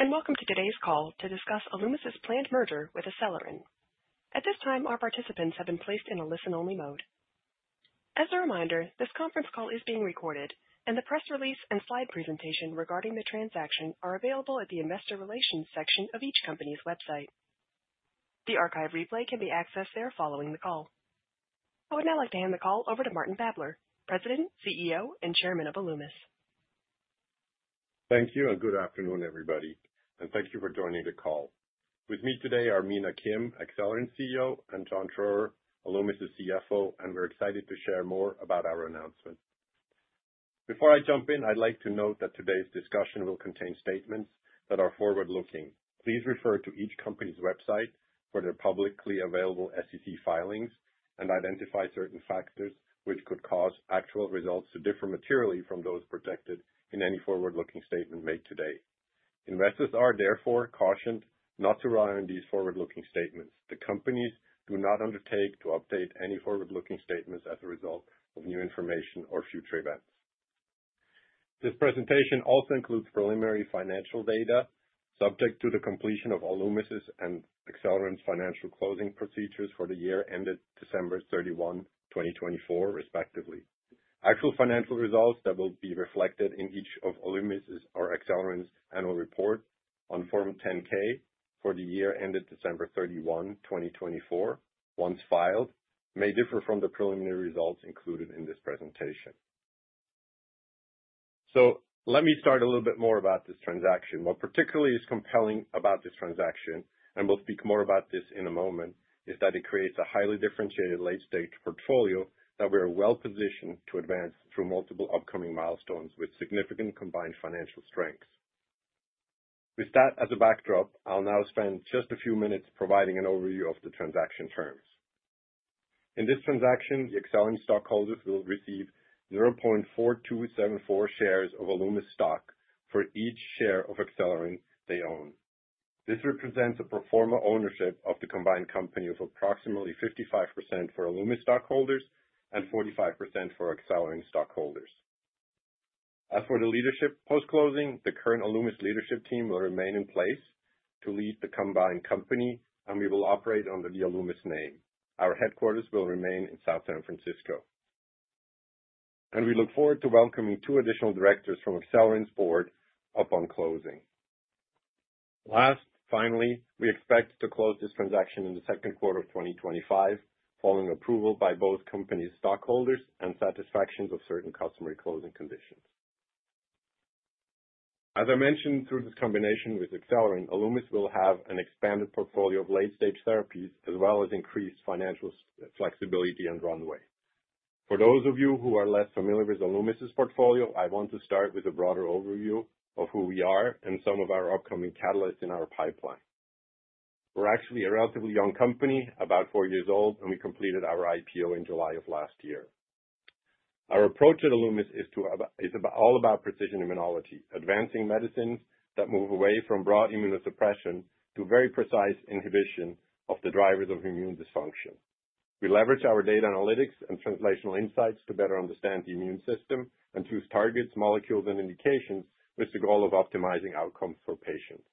Hello, and welcome to today's call to discuss Alumis's planned merger with Acelyrin. At this time, our participants have been placed in a listen-only mode. As a reminder, this conference call is being recorded, and the press release and slide presentation regarding the transaction are available at the investor relations section of each company's website. The archive replay can be accessed there following the call. I would now like to hand the call over to Martin Babler, President, CEO, and Chairman of Alumis. Thank you, and good afternoon, everybody. And thank you for joining the call. With me today are Mina Kim, Acelyrin CEO, and John Schroer, Alumis's CFO, and we're excited to share more about our announcement. Before I jump in, I'd like to note that today's discussion will contain statements that are forward-looking. Please refer to each company's website for their publicly available SEC filings and identify certain factors which could cause actual results to differ materially from those projected in any forward-looking statement made today. Investors are therefore cautioned not to rely on these forward-looking statements. The companies do not undertake to update any forward-looking statements as a result of new information or future events. This presentation also includes preliminary financial data subject to the completion of Alumis's and Acelyrin's financial closing procedures for the year ended December 31, 2024, respectively. Actual financial results that will be reflected in each of Alumis's or Acelyrin's Annual Report on Form 10-K for the year ended December 31, 2024, once filed, may differ from the preliminary results included in this presentation. So let me start a little bit more about this transaction. What particularly is compelling about this transaction, and we'll speak more about this in a moment, is that it creates a highly differentiated late-stage portfolio that we are well-positioned to advance through multiple upcoming milestones with significant combined financial strengths. With that as a backdrop, I'll now spend just a few minutes providing an overview of the transaction terms. In this transaction, the Acelyrin stockholders will receive 0.4274 shares of Alumis stock for each share of Acelyrin they own. This represents a proforma ownership of the combined company of approximately 55% for Alumis stockholders and 45% for Acelyrin stockholders. As for the leadership post-closing, the current Alumis leadership team will remain in place to lead the combined company, and we will operate under the Alumis name. Our headquarters will remain in South San Francisco. And we look forward to welcoming two additional directors from Acelyrin's board upon closing. Last, finally, we expect to close this transaction in the second quarter of 2025, following approval by both companies' stockholders and satisfaction of certain customary closing conditions. As I mentioned, through this combination with Acelyrin, Alumis will have an expanded portfolio of late-stage therapies, as well as increased financial flexibility and runway. For those of you who are less familiar with Alumis's portfolio, I want to start with a broader overview of who we are and some of our upcoming catalysts in our pipeline. We're actually a relatively young company, about four years old, and we completed our IPO in July of last year. Our approach at Alumis is all about precision immunology, advancing medicines that move away from broad immunosuppression to very precise inhibition of the drivers of immune dysfunction. We leverage our data analytics and translational insights to better understand the immune system and choose targets, molecules, and indications with the goal of optimizing outcomes for patients.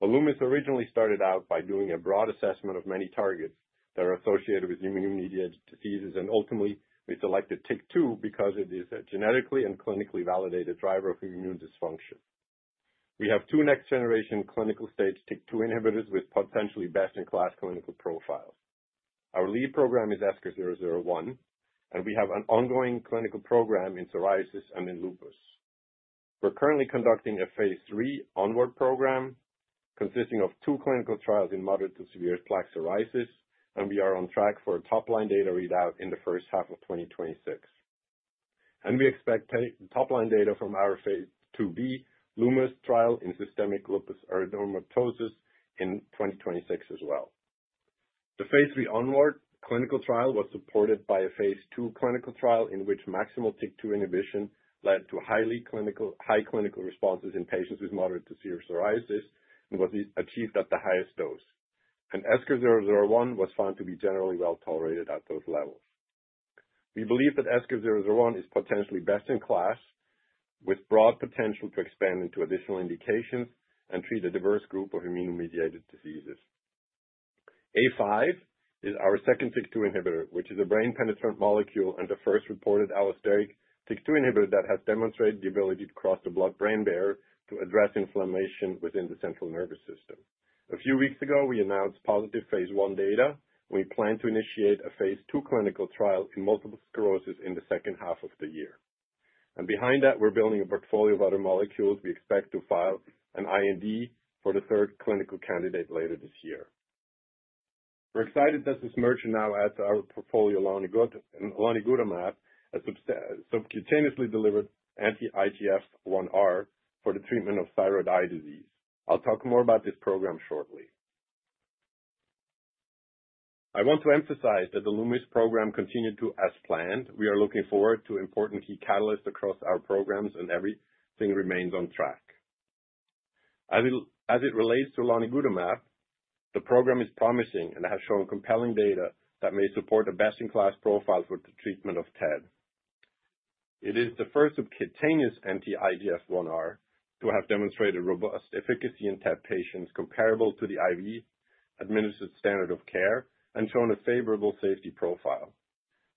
Alumis originally started out by doing a broad assessment of many targets that are associated with immune-mediated diseases, and ultimately, we selected TYK2 because it is a genetically and clinically validated driver of immune dysfunction. We have two next-generation clinical-stage TYK2 inhibitors with potentially best-in-class clinical profiles. Our lead program is ESK-001, and we have an ongoing clinical program in psoriasis and in lupus. We're currently conducting a phase III ONWARD program consisting of two clinical trials in moderate to severe plaque psoriasis, and we are on track for a top-line data readout in the first-half of 2026. And we expect top-line data from our phase II-B LUMUS trial in systemic lupus erythematosus, in 2026 as well. The phase III ONWARD clinical trial was supported by a phase II clinical trial in which maximal TYK2 inhibition led to high clinical responses in patients with moderate to severe psoriasis and was achieved at the highest dose. And ESK-001 was found to be generally well tolerated at those levels. We believe that ESK-001 is potentially best in class, with broad potential to expand into additional indications and treat a diverse group of immune-mediated diseases. A5 is our second TYK2 inhibitor, which is a brain-penetrant molecule and the first reported allosteric TYK2 inhibitor that has demonstrated the ability to cross the blood-brain barrier to address inflammation within the central nervous system. A few weeks ago, we announced positive phase I data, and we plan to initiate a phase II clinical trial in multiple sclerosis in the second half of the year. Behind that, we're building a portfolio of other molecules. We expect to file an IND for the third clinical candidate later this year. We're excited that this merger now adds to our portfolio lonigutamab, a subcutaneously delivered anti-IGF-1R for the treatment of thyroid eye disease. I'll talk more about this program shortly. I want to emphasize that the LUMUS program continued as planned. We are looking forward to important key catalysts across our programs, and everything remains on track. As it relates to lonigutamab, the program is promising and has shown compelling data that may support a best-in-class profile for the treatment of TED. It is the first subcutaneous anti-IGF-1R to have demonstrated robust efficacy in TED patients comparable to the IV-administered standard of care and shown a favorable safety profile.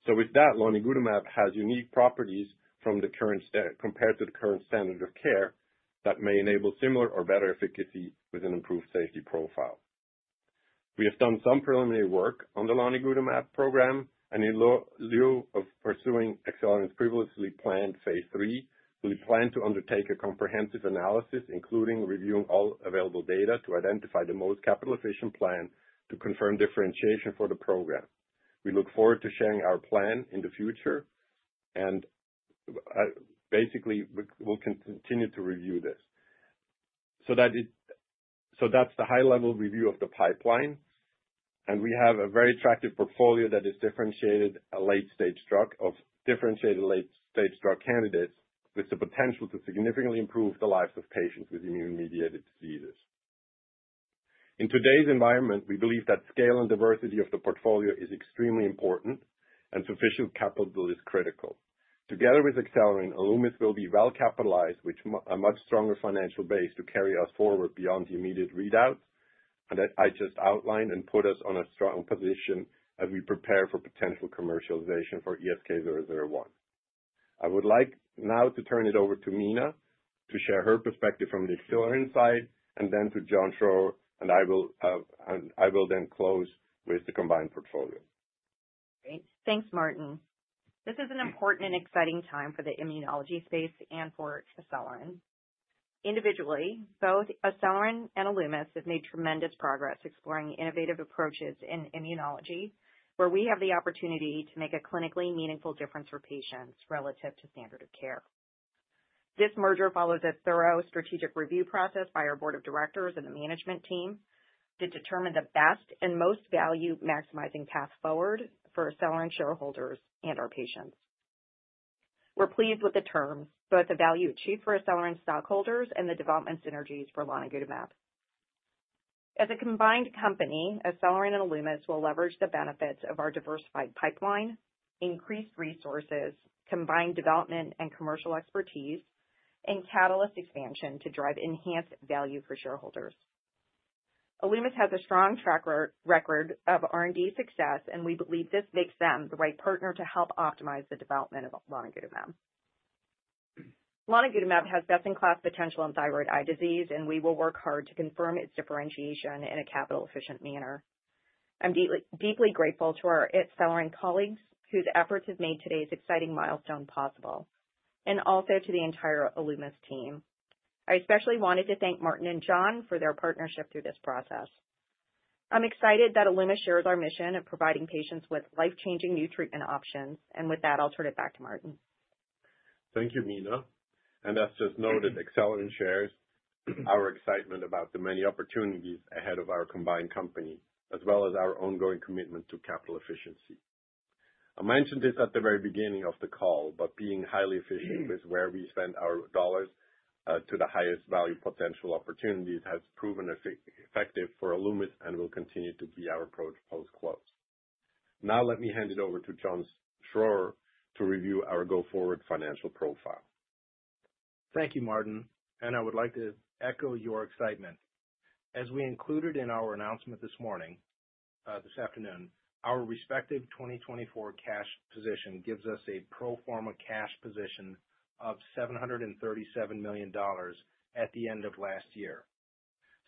So with that, lonigutamab has unique properties compared to the current standard of care that may enable similar or better efficacy with an improved safety profile. We have done some preliminary work on the lonigutamab program, and in lieu of pursuing Acelyrin's previously planned phase III, we plan to undertake a comprehensive analysis, including reviewing all available data to identify the most capital-efficient plan to confirm differentiation for the program. We look forward to sharing our plan in the future, and basically, we'll continue to review this. That's the high-level review of the pipeline, and we have a very attractive portfolio that is differentiated late-stage drug candidates with the potential to significantly improve the lives of patients with immune-mediated diseases. In today's environment, we believe that scale and diversity of the portfolio is extremely important, and sufficient capital is critical. Together with Acelyrin, Alumis will be well capitalized with a much stronger financial base to carry us forward beyond the immediate readouts that I just outlined and put us on a strong position as we prepare for potential commercialization for ESK-001. I would like now to turn it over to Mina to share her perspective from the Acelyrin side, and then to John Schroer, and I will then close with the combined portfolio. Great. Thanks, Martin. This is an important and exciting time for the Immunology space and for Acelyrin. Individually, both Acelyrin and Alumis have made tremendous progress exploring innovative approaches in Immunology, where we have the opportunity to make a clinically meaningful difference for patients relative to standard of care. This merger follows a thorough strategic review process by our Board of Directors and the Management team to determine the best and most value-maximizing path forward for Acelyrin shareholders and our patients. We're pleased with the terms, both the value achieved for Acelyrin stockholders and the development synergies for lonigutamab. As a combined company, Acelyrin and Alumis will leverage the benefits of our diversified pipeline, increased resources, combined development and commercial expertise, and catalyst expansion to drive enhanced value for shareholders. Alumis has a strong track record of R&D success, and we believe this makes them the right partner to help optimize the development of lonigutamab. Lonigutamab has best-in-class potential in thyroid eye disease, and we will work hard to confirm its differentiation in a capital-efficient manner. I'm deeply grateful to our Acelyrin colleagues whose efforts have made today's exciting milestone possible, and also to the entire Alumis team. I especially wanted to thank Martin and John for their partnership through this process. I'm excited that Alumis shares our mission of providing patients with life-changing new treatment options, and with that, I'll turn it back to Martin. Thank you, Mina. And as just noted, Acelyrin shares our excitement about the many opportunities ahead of our combined company, as well as our ongoing commitment to capital efficiency. I mentioned this at the very beginning of the call, but being highly efficient with where we spend our dollars to the highest value potential opportunities has proven effective for Alumis and will continue to be our approach post-close. Now, let me hand it over to John Schroer to review our go-forward financial profile. Thank you, Martin, and I would like to echo your excitement. As we included in our announcement this morning, this afternoon, our respective 2024 cash position gives us a proforma cash position of $737 million at the end of last year.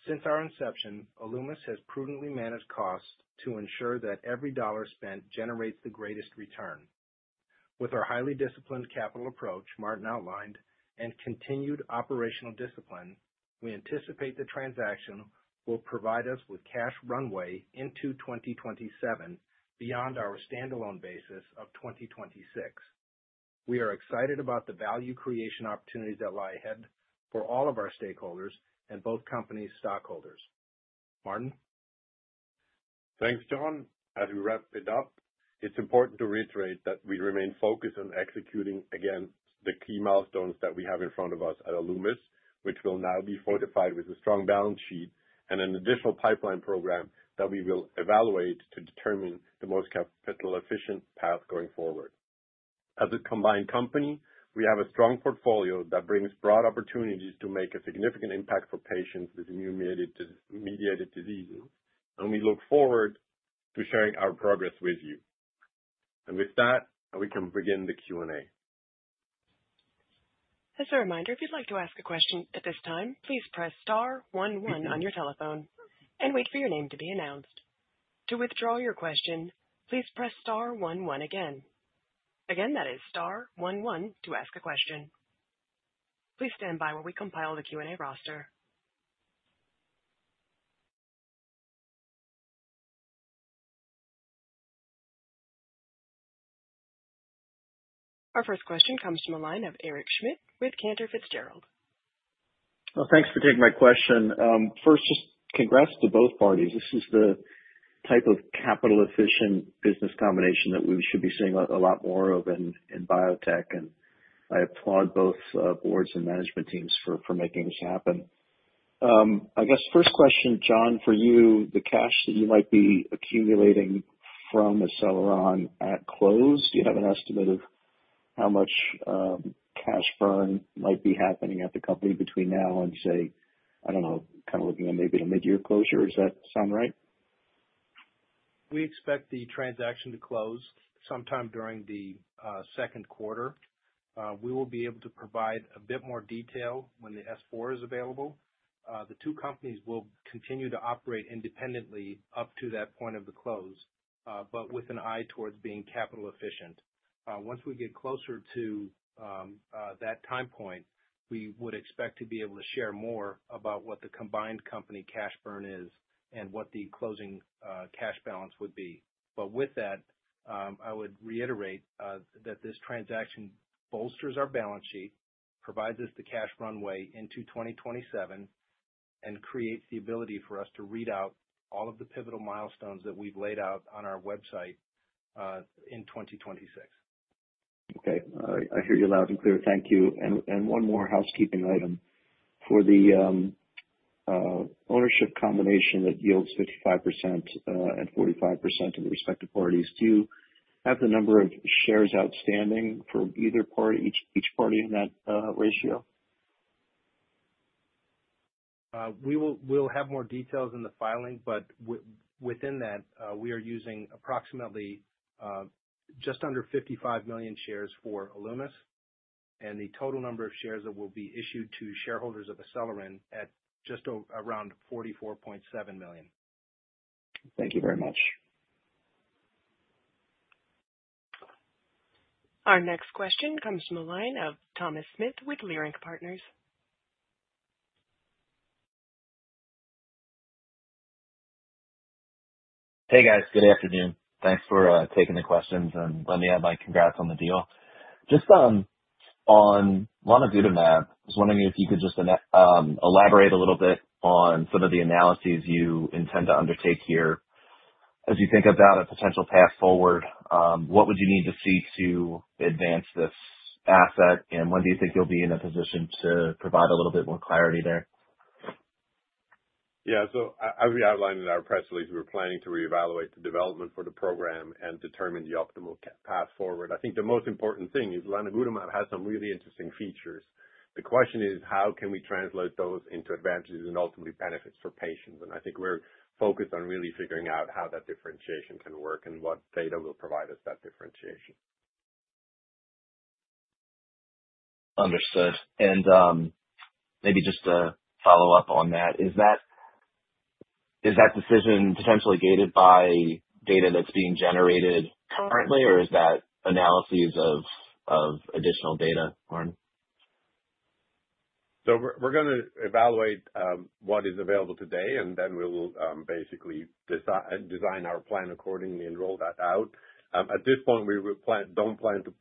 Since our inception, Alumis has prudently managed costs to ensure that every dollar spent generates the greatest return. With our highly disciplined capital approach, Martin outlined, and continued operational discipline, we anticipate the transaction will provide us with cash runway into 2027 beyond our standalone basis of 2026. We are excited about the value creation opportunities that lie ahead for all of our stakeholders and both companies' stockholders. Martin. Thanks, John. As we wrap it up, it's important to reiterate that we remain focused on executing, again, the key milestones that we have in front of us at Alumis, which will now be fortified with a strong balance sheet and an additional pipeline program that we will evaluate to determine the most capital-efficient path going forward. As a combined company, we have a strong portfolio that brings broad opportunities to make a significant impact for patients with immune-mediated diseases, and we look forward to sharing our progress with you and with that, we can begin the Q&A. As a reminder, if you'd like to ask a question at this time, please press star one one on your telephone and wait for your name to be announced. To withdraw your question, please press star one one again. Again, that is star one one to ask a question. Please stand by while we compile the Q&A roster. Our first question comes from a line of Eric Schmidt with Cantor Fitzgerald. Thanks for taking my question. First, just congrats to both parties. This is the type of capital-efficient business combination that we should be seeing a lot more of in biotech, and I applaud both boards and management teams for making this happen. I guess first question, John, for you, the cash that you might be accumulating from Acelyrin at close, do you have an estimate of how much cash burn might be happening at the company between now and, say, I don't know, kind of looking at maybe the mid-year closure? Does that sound right? We expect the transaction to close sometime during the second quarter. We will be able to provide a bit more detail when the S-4 is available. The two companies will continue to operate independently up to that point of the close, but with an eye towards being capital-efficient. Once we get closer to that time point, we would expect to be able to share more about what the combined company cash burn is and what the closing cash balance would be. But with that, I would reiterate that this transaction bolsters our balance sheet, provides us the cash runway into 2027, and creates the ability for us to read out all of the pivotal milestones that we've laid out on our website in 2026. Okay. I hear you loud and clear. Thank you, and one more housekeeping item. For the ownership combination that yields 55% and 45% to the respective parties, do you have the number of shares outstanding for each party in that ratio? We'll have more details in the filing, but within that, we are using approximately just under 55 million shares for Alumis, and the total number of shares that will be issued to shareholders of Acelyrin at just around 44.7 million. Thank you very much. Our next question comes from a line of Thomas Smith with Leerink Partners. Hey, guys. Good afternoon. Thanks for taking the questions, and let me add my congrats on the deal. Just on lonigutamab, I was wondering if you could just elaborate a little bit on some of the analyses you intend to undertake here as you think about a potential path forward. What would you need to see to advance this asset, and when do you think you'll be in a position to provide a little bit more clarity there? Yeah. So as we outlined in our press release, we were planning to reevaluate the development for the program and determine the optimal path forward. I think the most important thing is lonigutamab has some really interesting features. The question is, how can we translate those into advantages and ultimately benefits for patients? And I think we're focused on really figuring out how that differentiation can work and what data will provide us that differentiation. Understood. And maybe just to follow up on that, is that decision potentially gated by data that's being generated currently, or is that analyses of additional data, Martin? So we're going to evaluate what is available today, and then we'll basically design our plan accordingly and roll that out. At this point, we don't plan to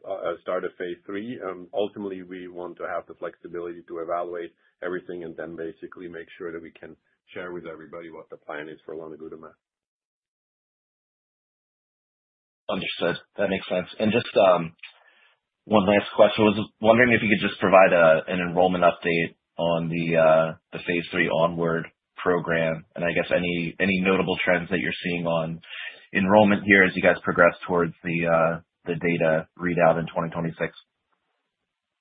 start a phase III. Ultimately, we want to have the flexibility to evaluate everything and then basically make sure that we can share with everybody what the plan is for lonigutamab. Understood. That makes sense, and just one last question. I was wondering if you could just provide an enrollment update on the phase III ONWARD program and I guess any notable trends that you're seeing on enrollment here as you guys progress towards the data readout in 2026.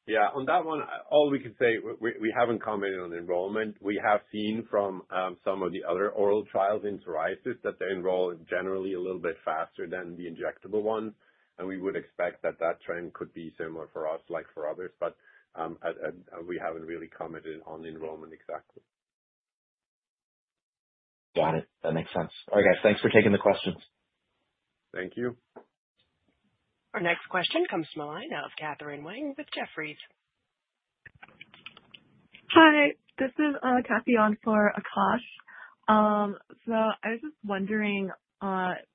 Yeah. On that one, all we can say, we haven't commented on enrollment. We have seen from some of the other oral trials in psoriasis that they enroll generally a little bit faster than the injectable ones, and we would expect that that trend could be similar for us like for others, but we haven't really commented on enrollment exactly. Got it. That makes sense. All right, guys. Thanks for taking the questions. Thank you. Our next question comes from a line of Katherine Wang with Jefferies. Hi. This is Kathy on for Akash. So I was just wondering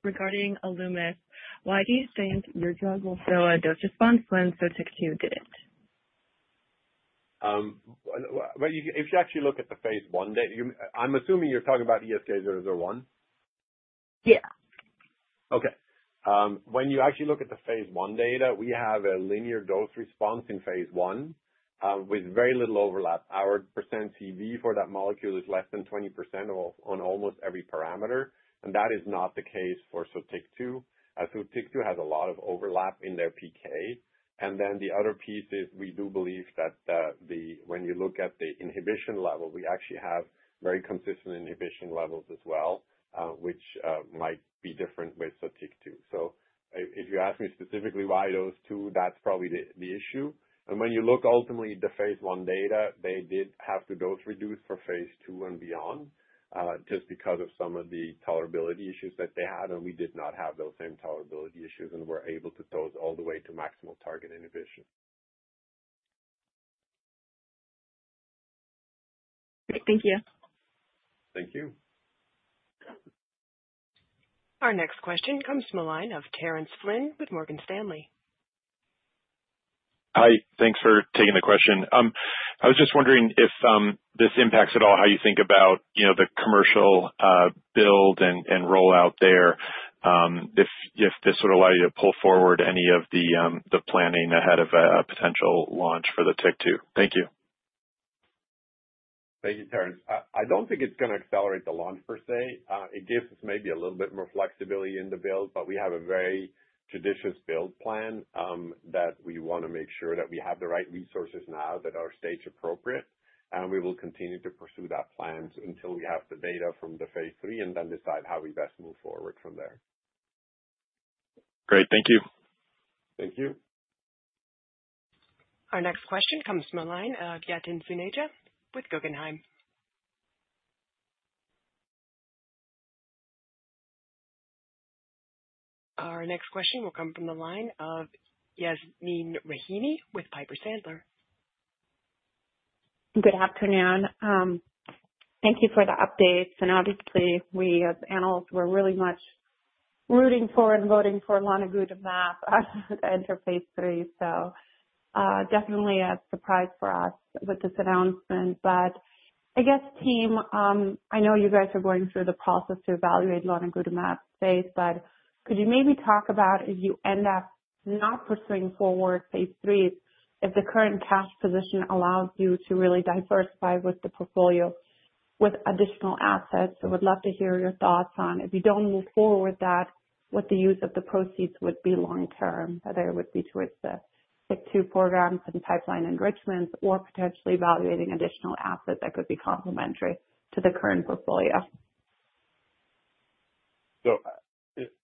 regarding Alumis, why do you think your drug will show a dose response when TYK2 didn't? If you actually look at the phase I data, I'm assuming you're talking about ESK-001? Yeah. Okay. When you actually look at the phase I data, we have a linear dose response in phase I with very little overlap. Our percent CV for that molecule is less than 20% on almost every parameter, and that is not the case for Sotyktu. Sotyktu has a lot of overlap in their PK. And then the other piece is we do believe that when you look at the inhibition level, we actually have very consistent inhibition levels as well, which might be different with Sotyktu. So if you ask me specifically why those two, that's probably the issue. And when you look ultimately at the phase I data, they did have to dose reduce for phase II and beyond just because of some of the tolerability issues that they had, and we did not have those same tolerability issues and were able to dose all the way to maximal target inhibition. Great. Thank you. Thank you. Our next question comes from a line of Terence Flynn with Morgan Stanley. Hi. Thanks for taking the question. I was just wondering if this impacts at all how you think about the commercial build and rollout there, if this would allow you to pull forward any of the planning ahead of a potential launch for Sotyktu. Thank you. Thank you, Terrence. I don't think it's going to accelerate the launch per se. It gives us maybe a little bit more flexibility in the build, but we have a very judicious build plan that we want to make sure that we have the right resources now that are stage appropriate, and we will continue to pursue that plan until we have the data from the phase III and then decide how we best move forward from there. Great. Thank you. Thank you. Our next question comes from a line of Yatin Suneja with Guggenheim. Our next question will come from the line of Yasmeen Rahimi with Piper Sandler. Good afternoon. Thank you for the updates. Obviously, we as analysts were really much rooting for and voting for lonigutamab as it entered phase III. Definitely a surprise for us with this announcement. I guess, team, I know you guys are going through the process to evaluate lonigutamab phase, but could you maybe talk about if you end up not pursuing forward phase III, if the current cash position allows you to really diversify with the portfolio with additional assets? I would love to hear your thoughts on if you don't move forward with that, what the use of the proceeds would be long term, whether it would be towards the Sotyktu programs and pipeline enrichments or potentially evaluating additional assets that could be complementary to the current portfolio.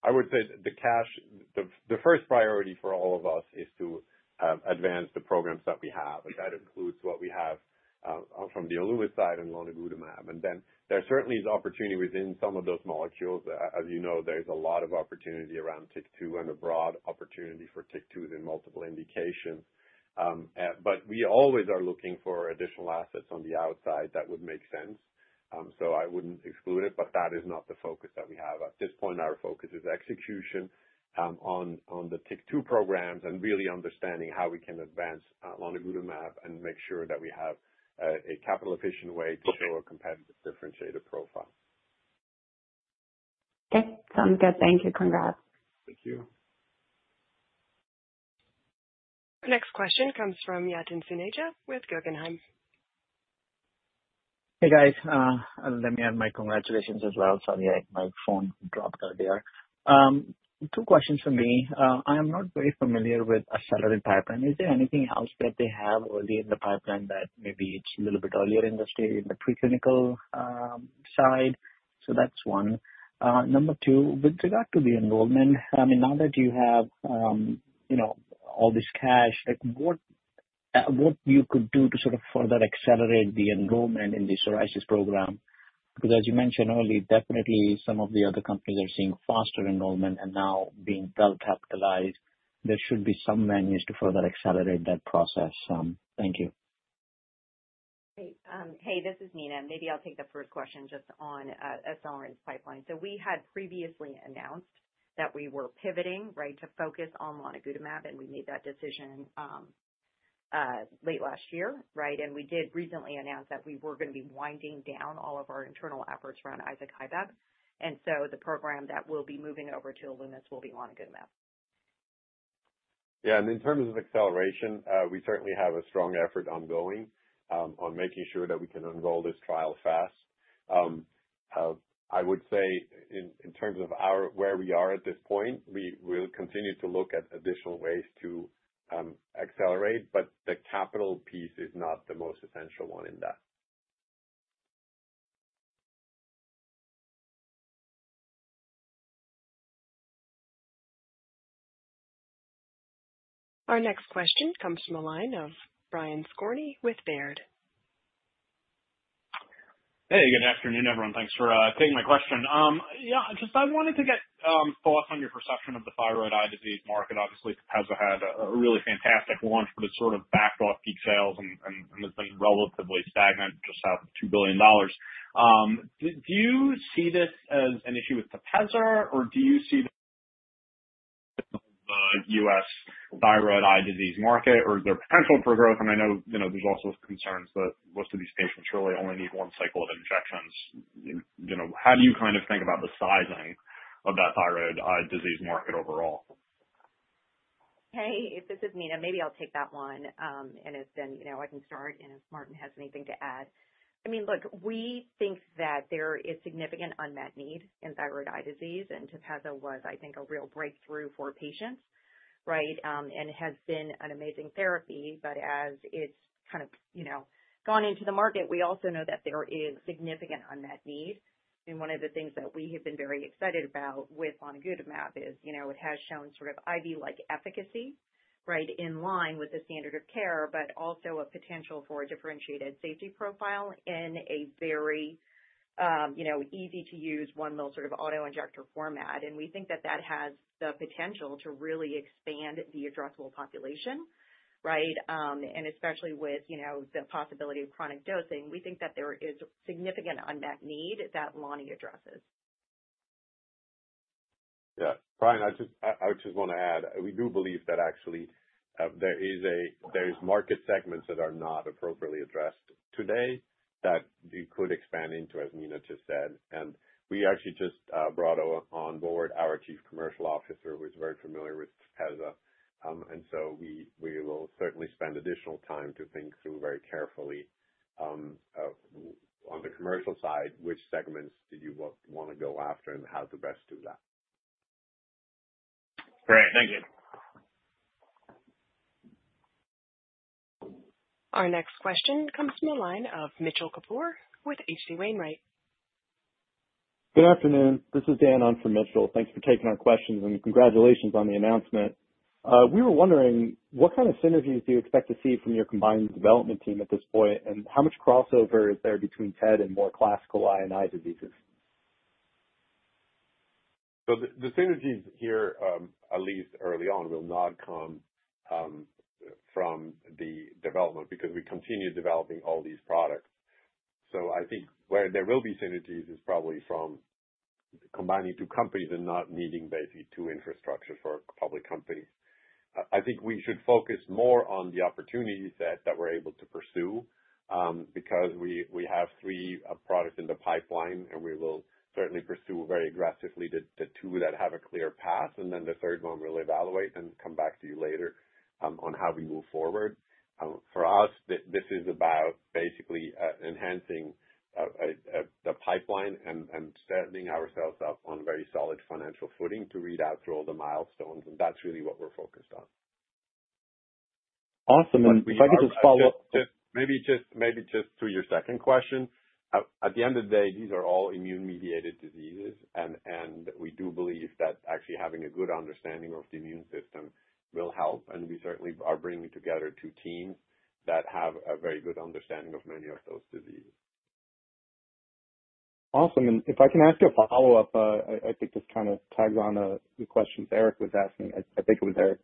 I would say the first priority for all of us is to advance the programs that we have, and that includes what we have from the Alumis side and lonigutamab. Then there certainly is opportunity within some of those molecules. As you know, there's a lot of opportunity around Sotyktu and a broad opportunity for Sotyktu in multiple indications. We always are looking for additional assets on the outside that would make sense. I wouldn't exclude it, but that is not the focus that we have. At this point, our focus is execution on the Sotyktu programs and really understanding how we can advance lonigutamab and make sure that we have a capital-efficient way to show a competitive differentiator profile. Okay. Sounds good. Thank you. Congrats. Thank you. Next question comes from Yatin Suneja with Guggenheim. Hey, guys. Let me add my congratulations as well. Sorry, my phone dropped earlier. Two questions for me. I am not very familiar with Acelyrin pipeline. Is there anything else that they have already in the pipeline that maybe it's a little bit earlier in the stage, in the preclinical side? So that's one. Number two, with regard to the enrollment, I mean, now that you have all this cash, what you could do to sort of further accelerate the enrollment in the psoriasis program? Because as you mentioned earlier, definitely some of the other companies are seeing faster enrollment and now being well capitalized. There should be some avenues to further accelerate that process. Thank you. Hey, this is Mina. Maybe I'll take the first question just on Acelyrin's pipeline. So we had previously announced that we were pivoting, right, to focus on lonigutamab, and we made that decision late last year, right? And we did recently announce that we were going to be winding down all of our internal efforts around izokibep. And so the program that we'll be moving over to Alumis will be lonigutamab. Yeah, and in terms of acceleration, we certainly have a strong effort ongoing on making sure that we can enroll this trial fast. I would say in terms of where we are at this point, we'll continue to look at additional ways to accelerate, but the capital piece is not the most essential one in that. Our next question comes from a line of Brian Skorney with Baird. Hey, good afternoon, everyone. Thanks for taking my question. Yeah, just I wanted to get thoughts on your perception of the thyroid eye disease market. Obviously, Tepezza had a really fantastic launch, but it's sort of backed off peak sales and has been relatively stagnant, just south of $2 billion. Do you see this as an issue with Tepezza, or do you see the U.S. thyroid eye disease market, or is there potential for growth? And I know there's also concerns that most of these patients really only need one cycle of injections. How do you kind of think about the sizing of that thyroid eye disease market overall? Hey, this is Mina. Maybe I'll take that one, and then I can start, and if Martin has anything to add. I mean, look, we think that there is significant unmet need in thyroid eye disease, and Tepezza was, I think, a real breakthrough for patients, right, and has been an amazing therapy, but as it's kind of gone into the market, we also know that there is significant unmet need, and one of the things that we have been very excited about with lonigutamab is it has shown sort of IV-like efficacy, right, in line with the standard of care, but also a potential for a differentiated safety profile in a very easy-to-use one-ml sort of auto-injector format, and we think that that has the potential to really expand the addressable population, right? Especially with the possibility of chronic dosing, we think that there is significant unmet need that loni addresses. Yeah. Brian, I just want to add, we do believe that actually there are market segments that are not appropriately addressed today that you could expand into, as Mina just said. And we actually just brought on board our Chief Commercial Officer, who is very familiar with Tepezza. And so we will certainly spend additional time to think through very carefully on the commercial side, which segments do you want to go after and how to best do that. Great. Thank you. Our next question comes from a line of Mitchell Kapoor with H.C. Wainwright. Good afternoon. This is Dan on Mitchell. Thanks for taking our questions, and congratulations on the announcement. We were wondering, what kind of synergies do you expect to see from your combined development team at this point, and how much crossover is there between TED and more classical eye and eye diseases? So the synergies here, at least early on, will not come from the development because we continue developing all these products. So I think where there will be synergies is probably from combining two companies and not needing basically two infrastructures for a public company. I think we should focus more on the opportunities that we're able to pursue because we have three products in the pipeline, and we will certainly pursue very aggressively the two that have a clear path, and then the third one we'll evaluate and come back to you later on how we move forward. For us, this is about basically enhancing the pipeline and setting ourselves up on very solid financial footing to read out through all the milestones, and that's really what we're focused on. Awesome. And if I could just follow up. Maybe just to your second question, at the end of the day, these are all immune-mediated diseases, and we do believe that actually having a good understanding of the immune system will help, and we certainly are bringing together two teams that have a very good understanding of many of those diseases. Awesome. If I can ask a follow-up, I think this kind of tacks on the questions Eric was asking. I think it was Eric.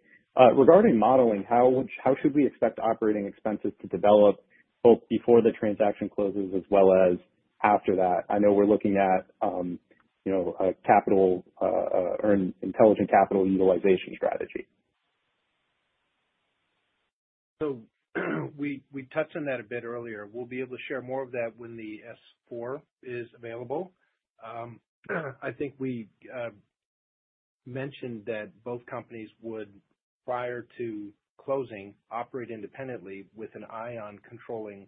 Regarding modeling, how should we expect operating expenses to develop both before the transaction closes as well as after that? I know we're looking at intelligent capital utilization strategy. We touched on that a bit earlier. We'll be able to share more of that when the Form S-4 is available. I think we mentioned that both companies would, prior to closing, operate independently with an eye on controlling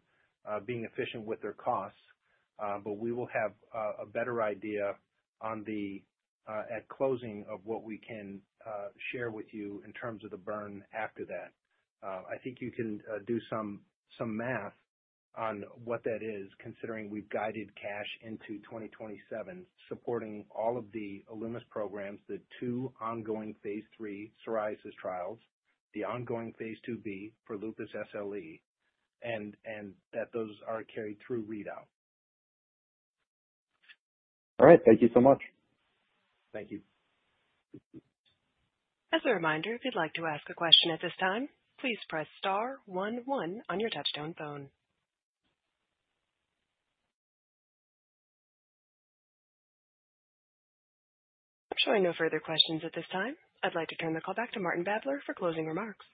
being efficient with their costs, but we will have a better idea at closing of what we can share with you in terms of the burn after that. I think you can do some math on what that is, considering we've guided cash into 2027, supporting all of the Alumis programs, the two ongoing phase III psoriasis trials, the ongoing phase II-B for lupus SLE, and that those are carried through readout. All right. Thank you so much. Thank you. As a reminder, if you'd like to ask a question at this time, please press star one one on your touch-tone phone. I'm showing no further questions at this time. I'd like to turn the call back to Martin Babler for closing remarks.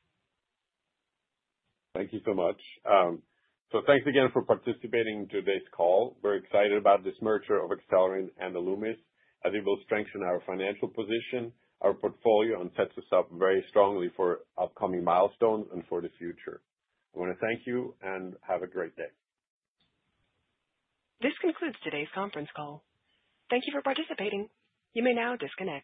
Thank you so much. So thanks again for participating in today's call. We're excited about this merger of Acelyrin and Alumis, as it will strengthen our financial position, our portfolio, and sets us up very strongly for upcoming milestones and for the future. I want to thank you and have a great day. This concludes today's conference call. Thank you for participating. You may now disconnect.